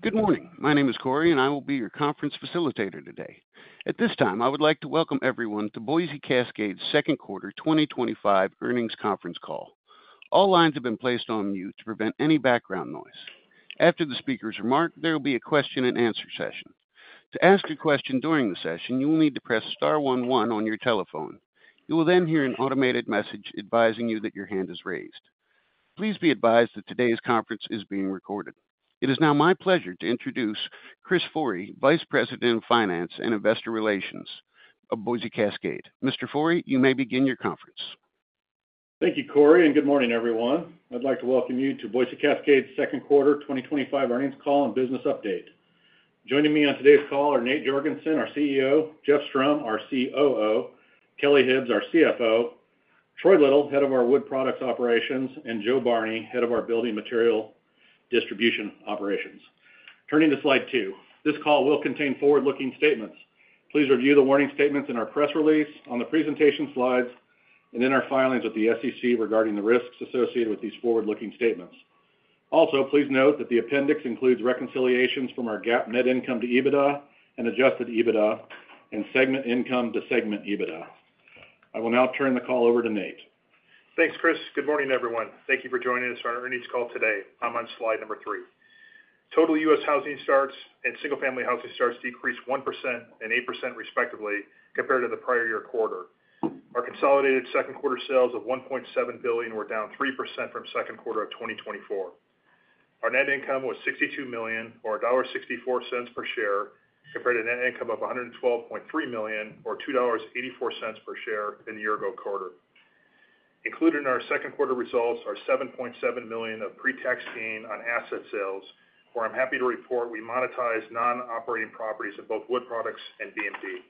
Good morning. My name is Corey, and I will be your conference facilitator today. At this time, I would like to welcome everyone to Boise Cascade's Second Quarter 2025 Earnings Conference Call. All lines have been placed on mute to prevent any background noise. After the speakers' remark, there will be a question and answer session. To ask your question during the session, you will need to press star one one on your telephone. You will then hear an automated message advising you that your hand is raised. Please be advised that today's conference is being recorded. It is now my pleasure to introduce Chris Forrey, Vice President of Finance and Investor Relations of Boise Cascade. Mr. Forrey, you may begin your conference. Thank you, Corey, and good morning, everyone. I'd like to welcome you to Boise Cascade's Second Quarter 2025 Earnings Call and Business Update. Joining me on today's call are Nate Jorgensen, our CEO, Jeff Strom, our COO, Kelly Hibbs, our CFO, Troy Little, Head of our Wood Products Operations, and Jo Barney, Head of our Building Materials Distribution Operations. Turning to slide two, this call will contain forward-looking statements. Please review the warning statements in our press release, on the presentation slides, and in our filings with the SEC regarding the risks associated with these forward-looking statements. Also, please note that the appendix includes reconciliations from our GAAP net income to EBITDA and adjusted EBITDA and segment income to segment EBITDA. I will now turn the call over to Nate. Thanks, Chris. Good morning, everyone. Thank you for joining us for our earnings call today. I'm on slide number three. Total U.S. housing starts and single-family housing starts decreased 1% and 8% respectively compared to the prior year quarter. Our consolidated second quarter sales of $1.7 billion were down 3% from second quarter of 2024. Our net income was $62 million, or $1.64 per share, compared to net income of $112.3 million, or $2.84 per share in the year-ago quarter. Included in our second quarter results are $7.7 million of pre-tax gain on asset sales, where I'm happy to report we monetized non-operating properties of both wood products and BMD.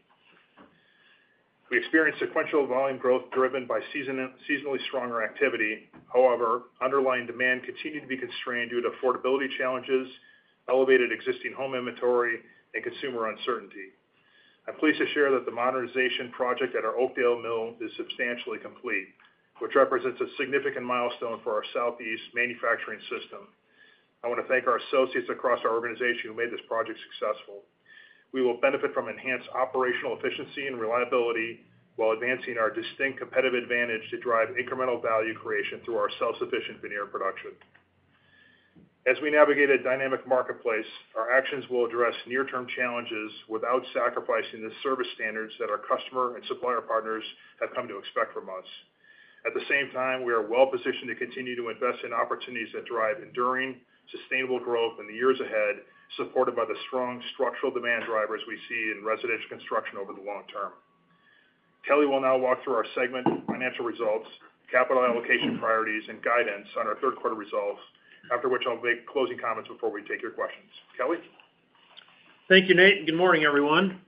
We experienced sequential volume growth driven by seasonally stronger activity. However, underlying demand continued to be constrained due to affordability challenges, elevated existing home inventory, and consumer uncertainty. I'm pleased to share that the modernization project at our Oakdale mill is substantially complete, which represents a significant milestone for our Southeast manufacturing system. I want to thank our associates across our organization who made this project successful. We will benefit from enhanced operational efficiency and reliability while advancing our distinct competitive advantage to drive incremental value creation through our self-sufficient veneer production. As we navigate a dynamic marketplace, our actions will address near-term challenges without sacrificing the service standards that our customer and supplier partners have come to expect from us. At the same time, we are well-positioned to continue to invest in opportunities that drive enduring, sustainable growth in the years ahead, supported by the strong structural demand drivers we see in residential construction over the long term. Kelly will now walk through our segment financial results, capital allocation priorities, and guidance on our third quarter results, after which I'll make closing comments before we take your questions. Kelly? Thank you, Nate. Good morning, everyone.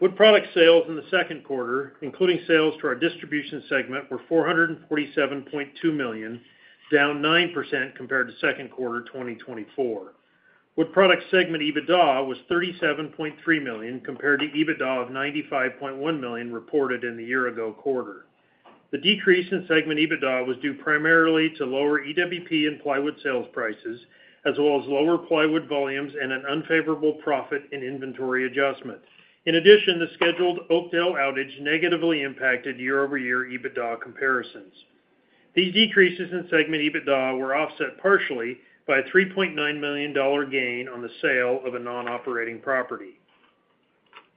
Wood Products sales in the second quarter, including sales to our distribution segment, were $447.2 million, down 9% compared to second quarter 2024. Wood Products segment EBITDA was $37.3 million compared to EBITDA of $95.1 million reported in the year-ago quarter. The decrease in segment EBITDA was due primarily to lower EWP and plywood sales prices, as well as lower plywood volumes and an unfavorable profit in inventory adjustment. In addition, the scheduled Oakdale outage negatively impacted year-over-year EBITDA comparisons. These decreases in segment EBITDA were offset partially by a $3.9 million gain on the sale of a non-operating property.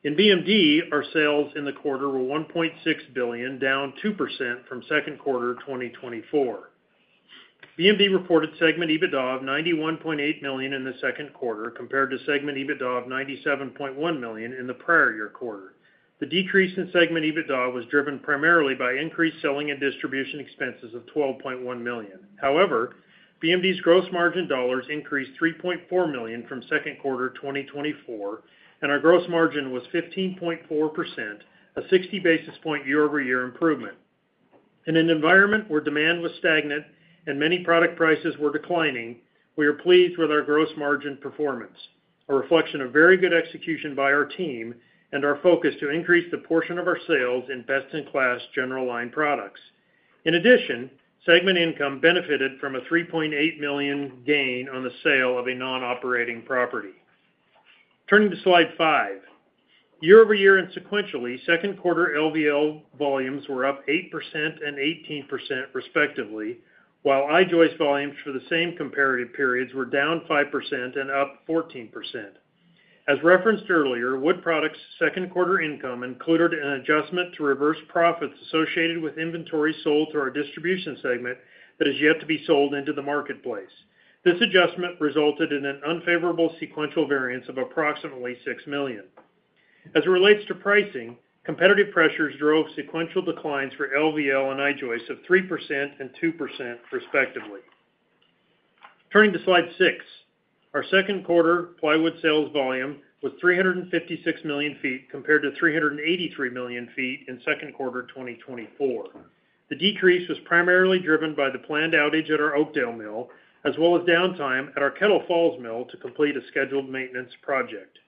In BMD, our sales in the quarter were $1.6 billion, down 2% from second quarter 2024. BMD reported segment EBITDA of $91.8 million in the second quarter compared to segment EBITDA of $97.1 million in the prior year quarter. The decrease in segment EBITDA was driven primarily by increased selling and distribution expenses of $12.1 million. However, BMD's gross margin dollars increased $3.4 million from second quarter 2024, and our gross margin was 15.4%, a 60 basis point year-over-year improvement. In an environment where demand was stagnant and many product prices were declining, we are pleased with our gross margin performance, a reflection of very good execution by our team and our focus to increase the portion of our sales in best-in-class general line products. In addition, segment income benefited from a $3.8 million gain on the sale of a non-operating property. Turning to slide five, year-over-year and sequentially, second quarter LVL volumes were up 8% and 18% respectively, while I-joist volumes for the same comparative periods were down 5% and up 14%. As referenced earlier, Wood Products' second quarter income included an adjustment to reverse profits associated with inventory sold to our distribution segment that is yet to be sold into the marketplace. This adjustment resulted in an unfavorable sequential variance of approximately $6 million. As it relates to pricing, competitive pressures drove sequential declines for LVL and I-joist of 3% and 2% respectively. Turning to slide six, our second quarter plywood sales volume was 356 million ft compared to 383 million ft in second quarter 2024. The decrease was primarily driven by the planned outage at our Oakdale Mill, as well as downtime at our Kettle Falls mill to complete a scheduled maintenance project.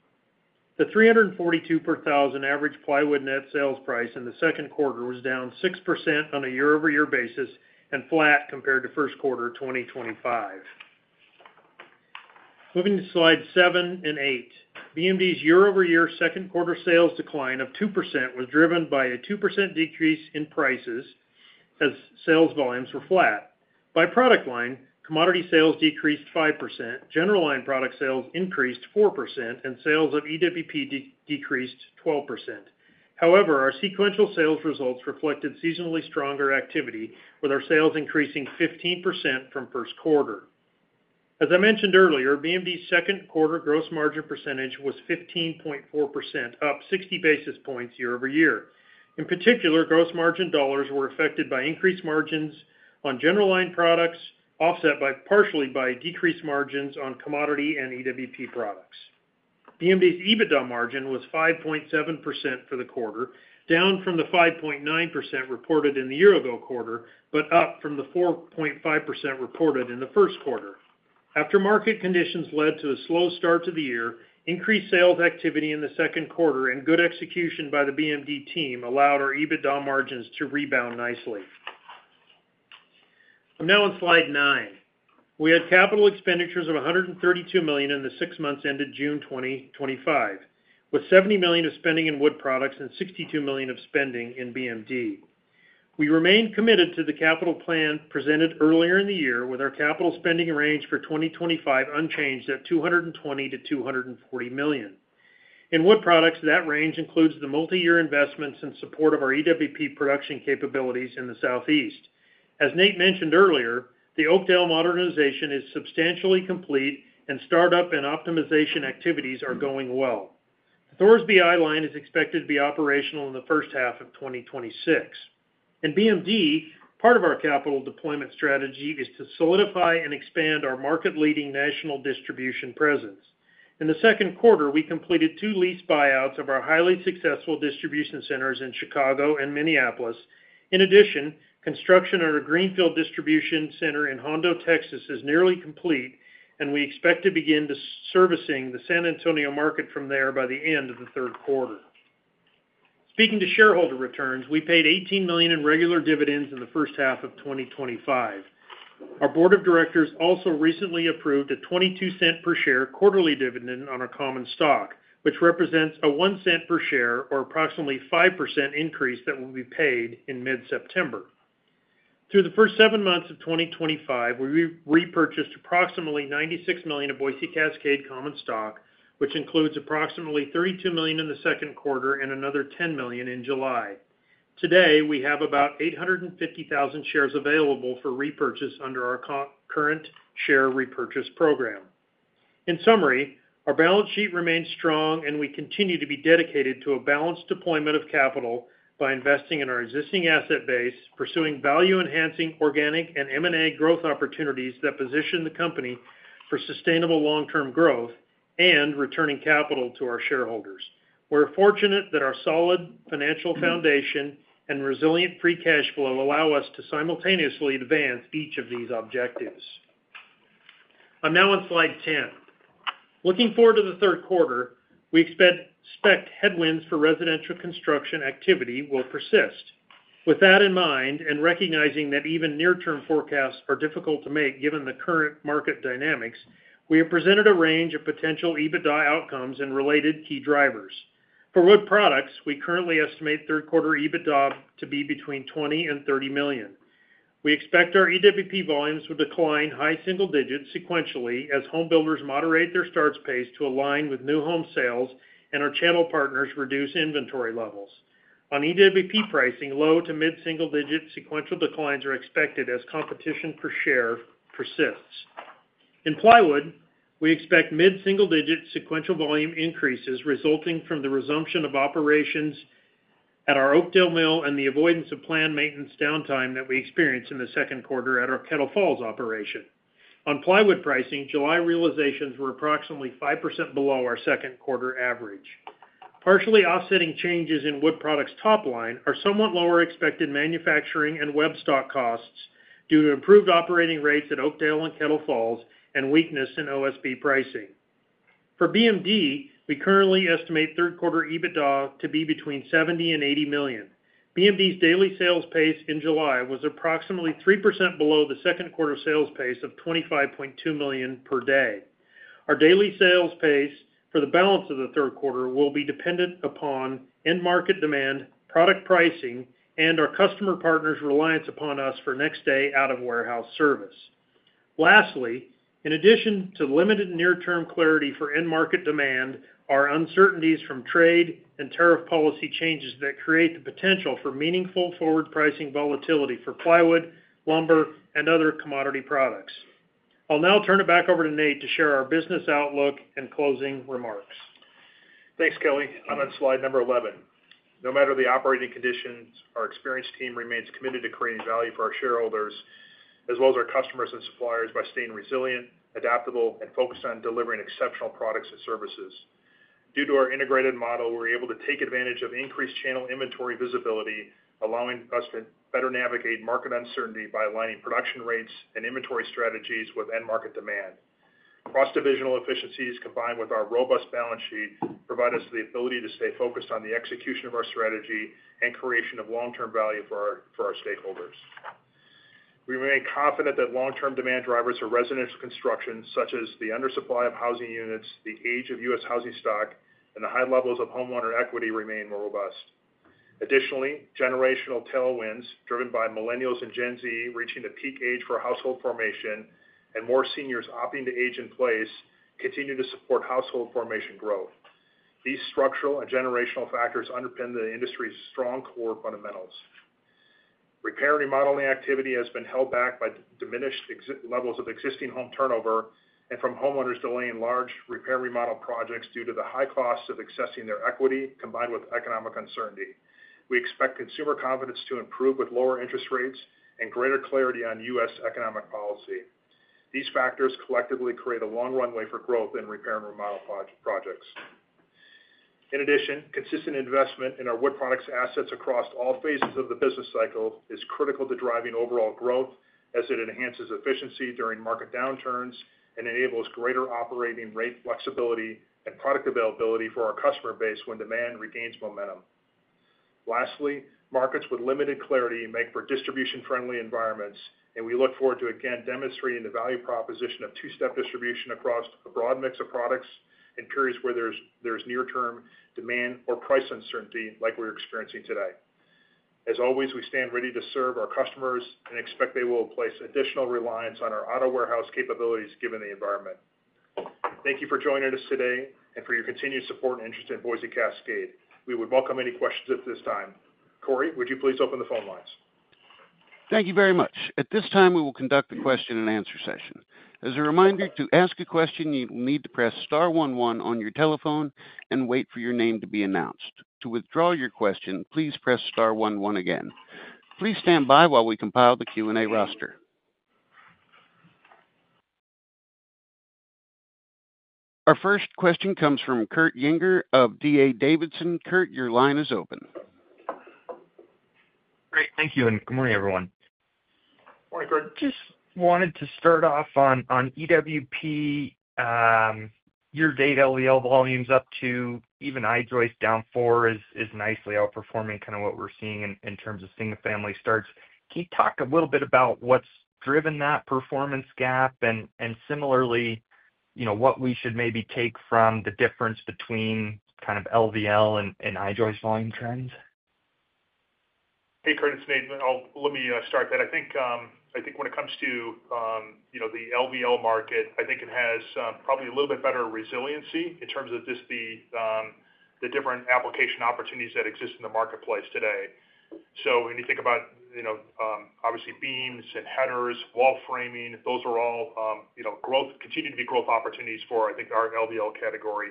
The $342 per thousand average plywood net sales price in the second quarter was down 6% on a year-over-year basis and flat compared to first quarter 2025. Moving to slide seven and eight, BMD's year-over-year second quarter sales decline of 2% was driven by a 2% decrease in prices as sales volumes were flat. By product line, commodity sales decreased 5%, general line product sales increased 4%, and sales of EWP decreased 12%. However, our sequential sales results reflected seasonally stronger activity, with our sales increasing 15% from first quarter. As I mentioned earlier, BMD's second quarter gross margin percentage was 15.4%, up 60 basis points year-over-year. In particular, gross margin dollars were affected by increased margins on general line products, offset partially by decreased margins on commodity and EWP products. BMD's EBITDA margin was 5.7% for the quarter, down from the 5.9% reported in the year-ago quarter, but up from the 4.5% reported in the first quarter. After market conditions led to a slow start to the year, increased sales activity in the second quarter and good execution by the BMD team allowed our EBITDA margins to rebound nicely. I'm now on slide nine. We had capital expenditures of $132 million in the six months ended June 2025, with $70 million of spending in wood products and $62 million of spending in BMD. We remained committed to the capital plan presented earlier in the year, with our capital spending range for 2025 unchanged at $220 million-$240 million. In wood products, that range includes the multi-year investments in support of our EWP production capabilities in the Southeast. As Nate mentioned earlier, the Oakdale modernization is substantially complete, and startup and optimization activities are going well. The Thorsby I-joist line is expected to be operational in the first half of 2026. In BMD, part of our capital deployment strategy is to solidify and expand our market-leading national distribution presence. In the second quarter, we completed two lease buyouts of our highly successful distribution centers in Chicago and Minneapolis. In addition, construction on a greenfield distribution center in Hondo, Texas, is nearly complete, and we expect to begin servicing the San Antonio market from there by the end of the third quarter. Speaking to shareholder returns, we paid $18 million in regular dividends in the first half of 2025. Our board of directors also recently approved a $0.22 per share quarterly dividend on our common stock, which represents a $0.01 per share, or approximately 5% increase, that will be paid in mid-September. Through the first seven months of 2025, we repurchased approximately $96 million of Boise Cascade common stock, which includes approximately $32 million in the second quarter and another $10 million in July. Today, we have about 850,000 shares available for repurchase under our current share repurchase program. In summary, our balance sheet remains strong, and we continue to be dedicated to a balanced deployment of capital by investing in our existing asset base, pursuing value-enhancing organic and M&A growth opportunities that position the company for sustainable long-term growth, and returning capital to our shareholders. We're fortunate that our solid financial foundation and resilient free cash flow allow us to simultaneously advance each of these objectives. I'm now on slide 10. Looking forward to the third quarter, we expect headwinds for residential construction activity will persist. With that in mind, and recognizing that even near-term forecasts are difficult to make given the current market dynamics, we have presented a range of potential EBITDA outcomes and related key drivers. For Wood Products, we currently estimate third quarter EBITDA to be between $20 million-$30 million. We expect our EWP volumes will decline high single digits sequentially as home builders moderate their starts pace to align with new home sales and our channel partners reduce inventory levels. On EWP pricing, low to mid-single digit sequential declines are expected as competition per share persists. In plywood, we expect mid-single digit sequential volume increases resulting from the resumption of operations at our Oakdale Mill and the avoidance of planned maintenance downtime that we experienced in the second quarter at our Kettle Falls operation. On plywood pricing, July realizations were approximately 5% below our second quarter average. Partially offsetting changes in Wood Products' top line are somewhat lower expected manufacturing and web stock costs due to improved operating rates at Oakdale and Kettle Falls and weakness in OSB pricing. For BMD, we currently estimate third quarter EBITDA to be between $70 million-$80 million. BMD's daily sales pace in July was approximately 3% below the second quarter sales pace of $25.2 million per day. Our daily sales pace for the balance of the third quarter will be dependent upon end market demand, product pricing, and our customer partners' reliance upon us for next day out of warehouse service. Lastly, in addition to limited near-term clarity for end market demand, there are uncertainties from trade and tariff policy changes that create the potential for meaningful forward pricing volatility for plywood, lumber, and other commodity products. I'll now turn it back over to Nate to share our business outlook and closing remarks. Thanks, Kelly. I'm at slide number 11. No matter the operating conditions, our experienced team remains committed to creating value for our shareholders, as well as our customers and suppliers, by staying resilient, adaptable, and focused on delivering exceptional products and services. Due to our integrated model, we're able to take advantage of increased channel inventory visibility, allowing us to better navigate market uncertainty by aligning production rates and inventory strategies with end market demand. Cross-divisional efficiencies, combined with our robust balance sheet, provide us the ability to stay focused on the execution of our strategy and creation of long-term value for our stakeholders. We remain confident that long-term demand drivers in residential construction, such as the undersupply of housing units, the age of U.S. housing stock, and the high levels of homeowner equity, remain robust. Additionally, generational tailwinds driven by millennials and Gen Z reaching the peak age for household formation and more seniors opting to age in place continue to support household formation growth. These structural and generational factors underpin the industry's strong core fundamentals. Repair and remodeling activity has been held back by diminished levels of existing home turnover and from homeowners delaying large repair and remodel projects due to the high costs of accessing their equity combined with economic uncertainty. We expect consumer confidence to improve with lower interest rates and greater clarity on U.S. economic policy. These factors collectively create a long runway for growth in repair and remodel projects. In addition, consistent investment in our Wood Products assets across all phases of the business cycle is critical to driving overall growth as it enhances efficiency during market downturns and enables greater operating rate flexibility and product availability for our customer base when demand regains momentum. Lastly, markets with limited clarity make for distribution-friendly environments, and we look forward to again demonstrating the value proposition of two-step distribution across a broad mix of products and, curious whether there's near-term demand or price uncertainty like we're experiencing today. As always, we stand ready to serve our customers and expect they will place additional reliance on our auto warehouse capabilities given the environment. Thank you for joining us today and for your continued support and interest in Boise Cascade. We would welcome any questions at this time. Corey, would you please open the phone lines? Thank you very much. At this time, we will conduct a question-and-answer session. As a reminder, to ask a question, you will need to press star one one on your telephone and wait for your name to be announced. To withdraw your question, please press star one one again. Please stand by while we compile the Q&A roster. Our first question comes from Kurt Yinger of D.A. Davidson. Kurt, your line is open. Great, thank you, and good morning, everyone. Morning, Kurt. Just wanted to start off on EWP. Your to-date LVL volumes up to even I-joist down four is nicely outperforming kind of what we're seeing in terms of single-family starts. Can you talk a little bit about what's driven that performance gap and, similarly, you know, what we should maybe take from the difference between kind of LVL and I-joist volume trends? Hey, Kurt. It's Nate. Let me start that. I think when it comes to, you know, the laminated veneer lumber market, I think it has probably a little bit better resiliency in terms of just the different application opportunities that exist in the marketplace today. When you think about, you know, obviously beams and headers, wall framing, those are all, you know, growth, continue to be growth opportunities for, I think, our laminated veneer lumber category.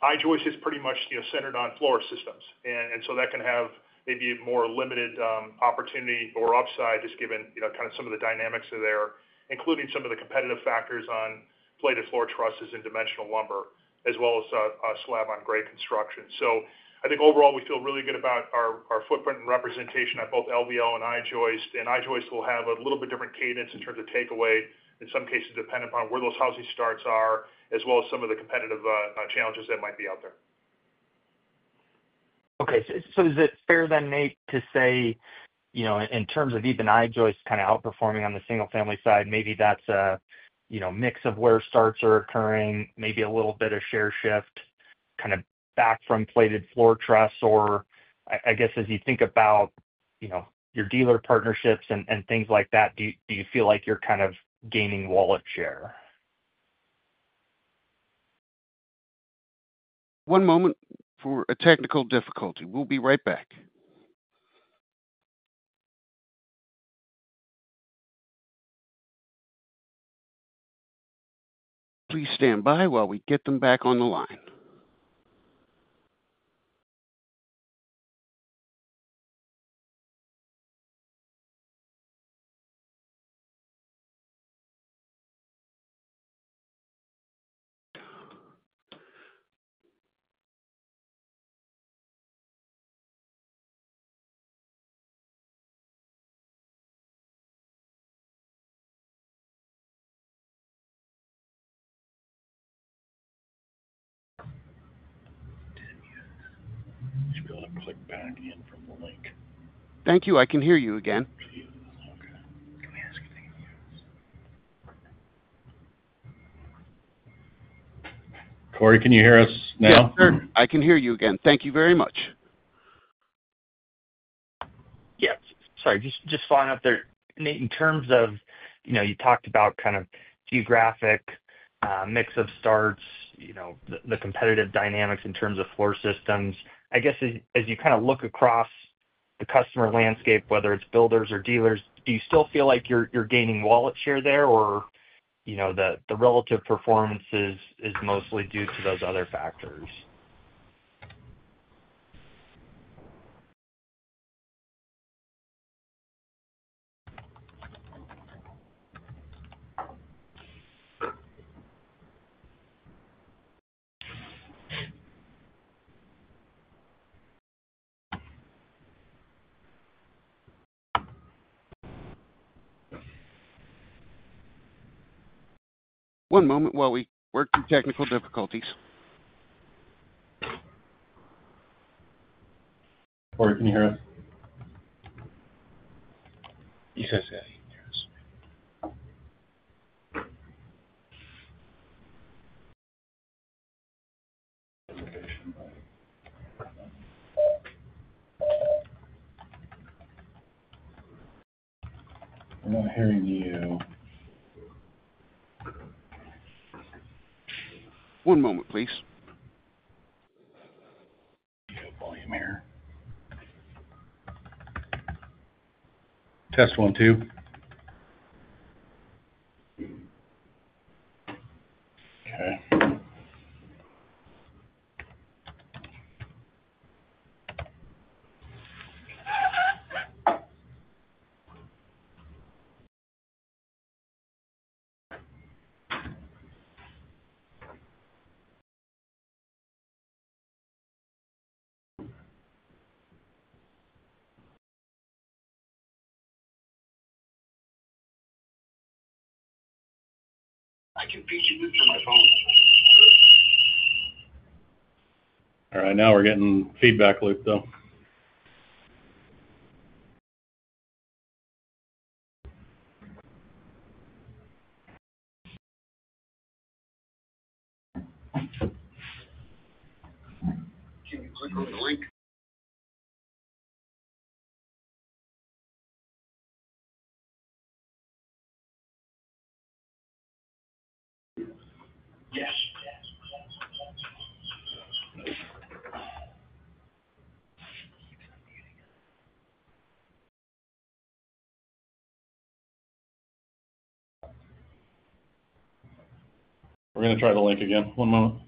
I-joist is pretty much, you know, centered on floor systems, and that can have maybe a more limited opportunity or upside, just given, you know, kind of some of the dynamics of there, including some of the competitive factors on plated floor trusses and dimensional lumber, as well as slab on grade construction. I think overall we feel really good about our footprint and representation at both laminated veneer lumber and I-joist. I-joist will have a little bit different cadence in terms of takeaway, in some cases dependent upon where those housing starts are, as well as some of the competitive challenges that might be out there. Okay. Is it fair then, Nate, to say, in terms of even I-joist kind of outperforming on the single-family side, maybe that's a mix of where starts are occurring, maybe a little bit of share shift, kind of back from plated floor truss, or as you think about your dealer partnerships and things like that, do you feel like you're kind of gaining wallet share? One moment for a technical difficulty. We'll be right back. Please stand by while we get them back on the line. We're going to just go ahead and click back in from the link. Thank you. I can hear you again. Corey, can you hear us now? Yes, sir. I can hear you again. Thank you very much. Sorry. Just following up there, Nate, in terms of, you talked about kind of geographic mix of starts, the competitive dynamics in terms of floor systems. I guess as you look across the customer landscape, whether it's builders or dealers, do you still feel like you're gaining wallet share there, or the relative performance is mostly due to those other factors? One moment while we work through technical difficulties. Corey, can you hear us? You said, say. I'm not hearing you. One moment, please. All right. Now we're getting feedback loop, though. Click on the link. We're going to try the link again. One moment.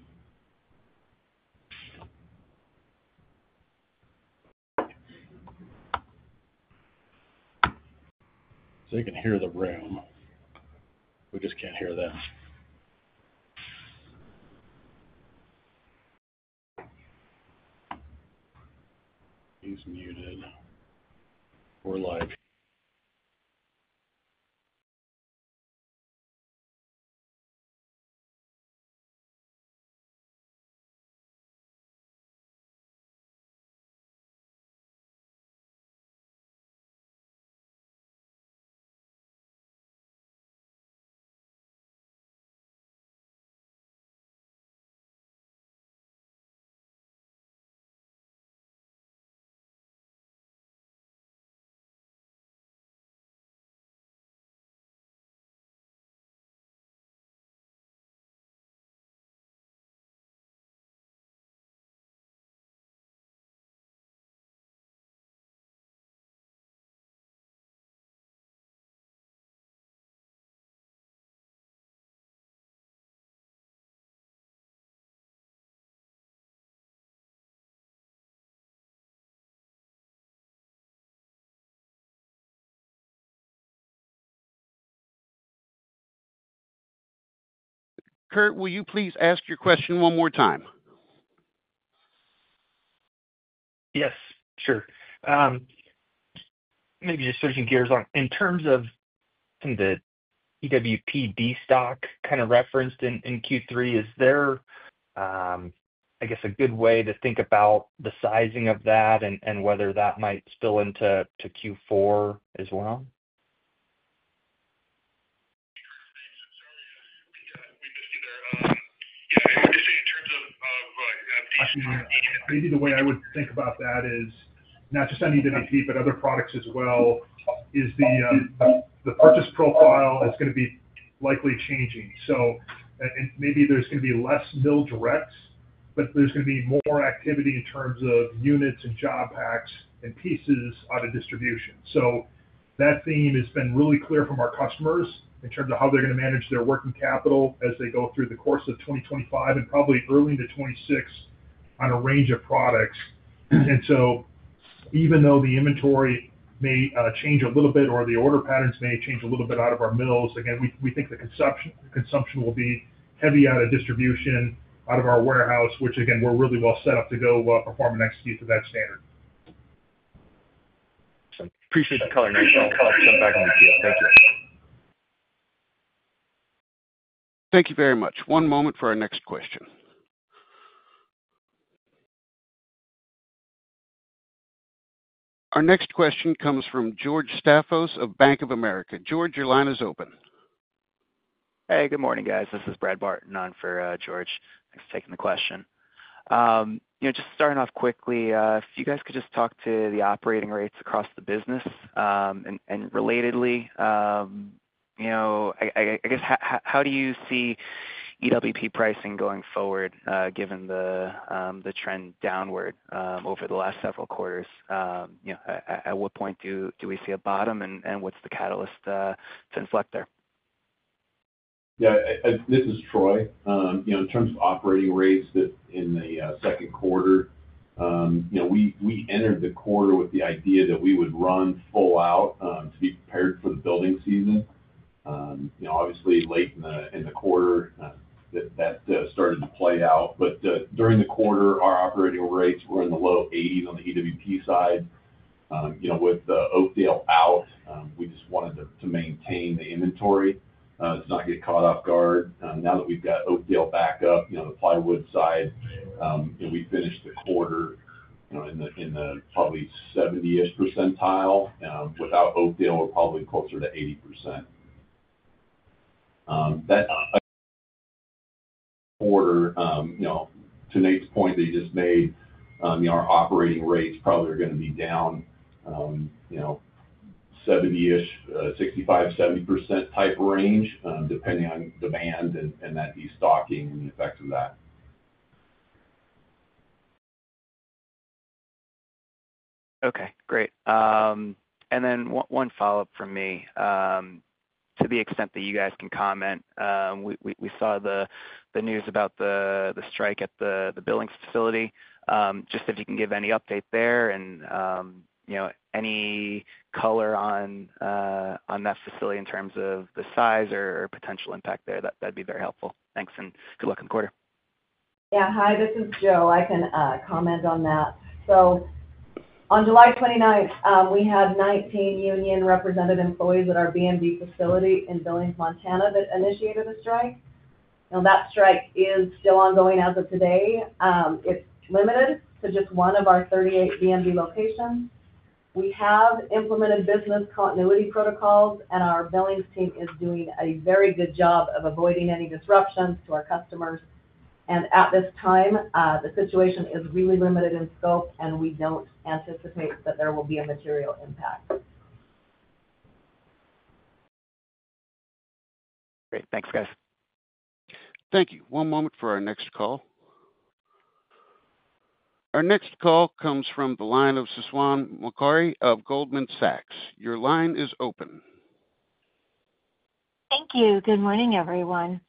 You can hear the room. We just can't hear this. He's muted or light. Kurt, will you please ask your question one more time? Yes, sure. Maybe just switching gears. In terms of kind of the EWP restock referenced in Q3, is there, I guess, a good way to think about the sizing of that and whether that might spill into Q4 as well? Maybe the way I would think about that is not just on EWP, but other products as well, is the purchase profile that's going to be likely changing. There is going to be less mill directs, but there's going to be more activity in terms of units and job packs and pieces on a distribution. That theme has been really clear from our customers in terms of how they're going to manage their working capital as they go through the course of 2025 and probably early into 2026 on a range of products. Even though the inventory may change a little bit or the order patterns may change a little bit out of our mills, we think the consumption will be heavy out of distribution out of our warehouse, which, again, we're really well set up to go perform and execute to that standard. Appreciate the color, Nate. I'll send it back to you. Thank you. Thank you very much. One moment for our next question. Our next question comes from George Staphos of Bank of America. George, your line is open. Hey, good morning, guys. This is Brad Barton on for George. Thanks for taking the question. Just starting off quickly, if you guys could just talk to the operating rates across the business and relatedly, how do you see EWP pricing going forward given the trend downward over the last several quarters? At what point do we see a bottom and what's the catalyst to inflect there? Yeah, this is Troy. In terms of operating rates in the second quarter, we entered the quarter with the idea that we would run full out to be prepared for the building season. Obviously, late in the quarter, that started to play out. During the quarter, our operating rates were in the low 80% on the engineered wood products side. With Oakdale out, we just wanted to maintain the inventory to not get caught off guard. Now that we've got Oakdale back up, the plywood side, and we finished the quarter in the probably 70% range. Without Oakdale, we're probably closer to 80%. That quarter, to Nate's point that he just made, our operating rates probably are going to be down, 70%, 65%, 70% type range, depending on demand and that restocking and the effects of that. Okay, great. One follow-up from me. To the extent that you guys can comment, we saw the news about the strike at the Billings, Montana facility. If you can give any update there and any color on that facility in terms of the size or potential impact, that'd be very helpful. Thanks, and good luck in the quarter. Yeah, hi, this is Jo. I can comment on that. On July 29th, we had 19 union-represented employees at our BMD facility in Billings, Montana, that initiated the strike. That strike is still ongoing as of today. It's limited to just one of our 38 BMD locations. We have implemented business continuity protocols, and our Billings team is doing a very good job of avoiding any disruptions to our customers. At this time, the situation is really limited in scope, and we don't anticipate that there will be a material impact. Great. Thanks, guys. Thank you. One moment for our next call. Our next call comes from the line of Susan Maklari of Goldman Sachs. Your line is open. Thank you. Good morning, everyone.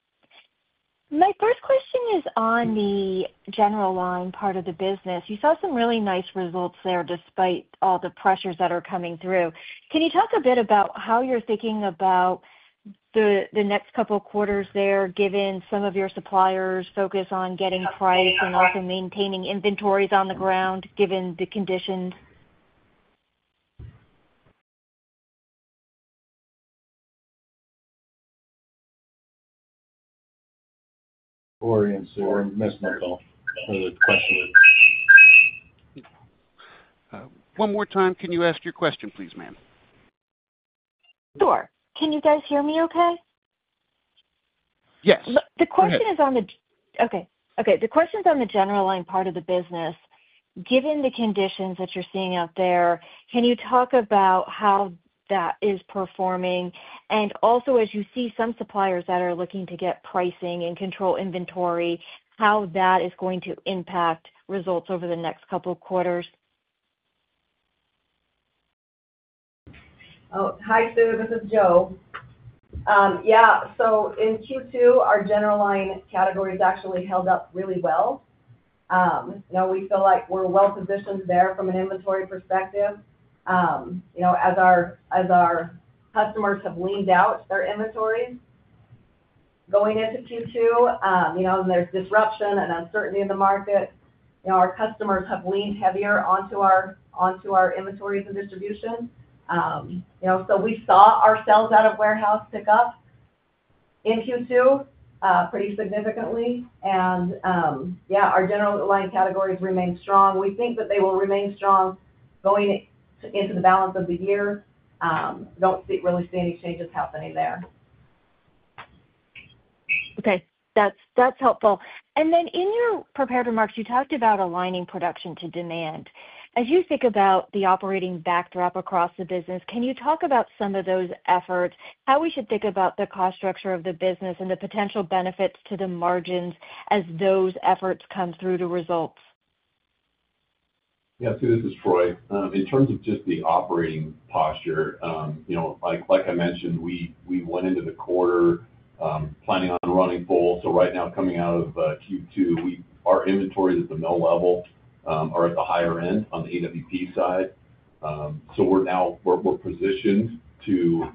My first question is on the general line part of the business. You saw some really nice results there despite all the pressures that are coming through. Can you talk a bit about how you're thinking about the next couple of quarters there, given some of your suppliers' focus on getting price and also maintaining inventories on the ground given the conditions? I'm sorry. I missed my call. Can you ask your question, please, ma'am? Sure. Can you guys hear me okay? Yes. The question is on the general line part of the business. Given the conditions that you're seeing out there, can you talk about how that is performing? Also, as you see some suppliers that are looking to get pricing and control inventory, how that is going to impact results over the next couple of quarters? Oh, hi, [Sue]. This is Jo. Yeah. In Q2, our general line category actually held up really well. We feel like we're well positioned there from an inventory perspective. As our customers have leaned out their inventories going into Q2, and there's disruption and uncertainty in the market, our customers have leaned heavier onto our inventories and distribution. We saw our sales out of warehouse pick up in Q2 pretty significantly. Our general line categories remain strong. We think that they will remain strong going into the balance of the year. Don't really see any changes happening there. Okay. That's helpful. In your prepared remarks, you talked about aligning production to demand. As you think about the operating backdrop across the business, can you talk about some of those efforts, how we should think about the cost structure of the business, and the potential benefits to the margins as those efforts come through to results? Yeah, this is Troy. In terms of just the operating posture, like I mentioned, we went into the quarter planning on running full. Right now, coming out of Q2, our inventory at the mill level are at the higher end on the EWP side. We're now positioned to,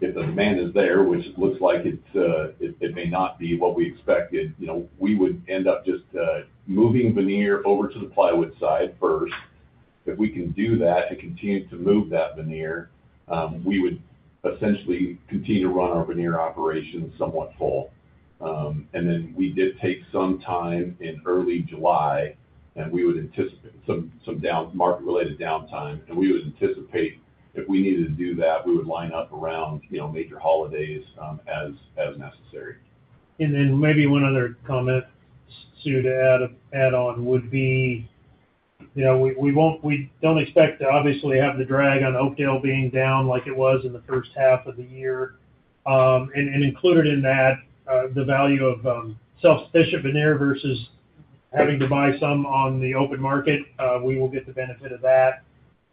if the demand is there, which looks like it may not be what we expected, we would end up just moving veneer over to the plywood side first. If we can do that and continue to move that veneer, we would essentially continue to run our veneer operation somewhat full. We did take some time in early July, and we would anticipate some down market-related downtime. We would anticipate if we needed to do that, we would line up around major holidays as necessary. Maybe one other comment to add on would be, you know, we don't expect to obviously have the drag on Oakdale being down like it was in the first half of the year. Included in that, the value of self-sufficient veneer versus having to buy some on the open market, we will get the benefit of that.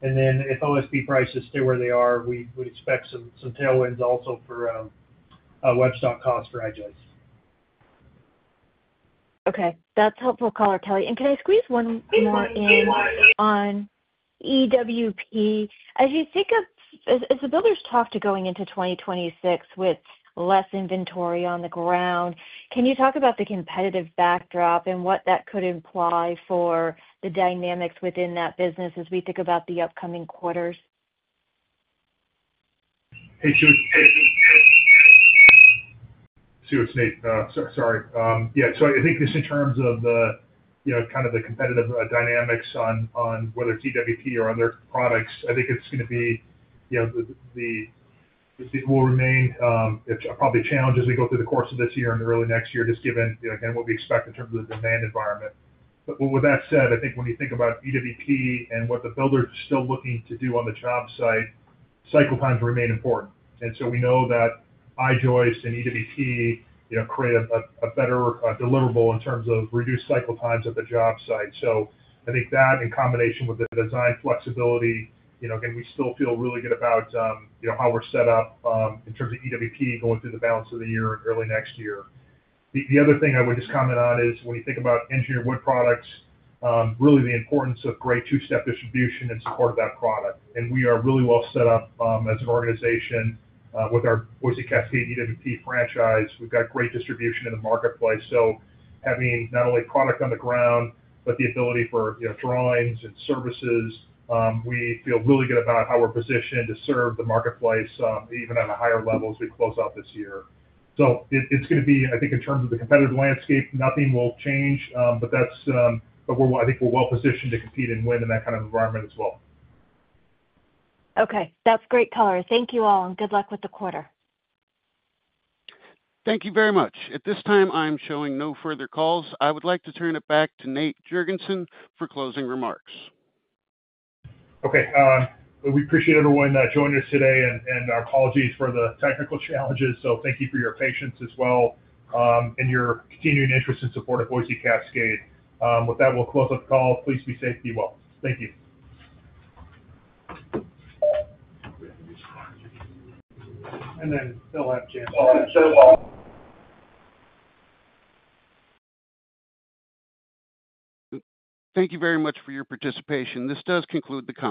If OSB prices stay where they are, we would expect some tailwinds also for wedge stock costs for I-joist. Okay. That's helpful, Kelly. Can I squeeze one more in on EWP? As you think of, as the builders talk to going into 2026 with less inventory on the ground, can you talk about the competitive backdrop and what that could imply for the dynamics within that business as we think about the upcoming quarters? Hey, Susan. Susan, it's Nate. Sorry. I think just in terms of the, you know, kind of the competitive dynamics on whether it's EWP or other products, I think it's going to be, you know, the goal remains, it's probably challenged as we go through the course of this year and early next year, just given, you know, again, what we expect in terms of the demand environment. With that said, I think when you think about EWP and what the builders are still looking to do on the job site, cycle times remain important. We know that I-joist and EWP create a better deliverable in terms of reduced cycle times at the job site. I think that in combination with the design flexibility, you know, again, we still feel really good about, you know, how we're set up in terms of EWP going through the balance of the year and early next year. The other thing I would just comment on is when you think about engineered wood products, really the importance of great two-step distribution as part of that product. We are really well set up as an organization with our Boise Cascade EWP franchise. We've got great distribution in the marketplace. Having not only product on the ground, but the ability for, you know, drawings and services, we feel really good about how we're positioned to serve the marketplace even at a higher level as we close out this year. It's going to be, I think, in terms of the competitive landscape, nothing will change, but I think we're well positioned to compete and win in that kind of environment as well. Okay. That's great color. Thank you all, and good luck with the quarter. Thank you very much. At this time, I'm showing no further calls. I would like to turn it back to Nate Jorgensen for closing remarks. Okay. We appreciate everyone that joined us today, and our apologies for the technical challenges. Thank you for your patience as well, and your continuing interest and support of Boise Cascade. With that, we'll close up the call. Please be safe and be well. Thank you. Bill, I'm so welcome. Thank you very much for your participation. This does conclude the call.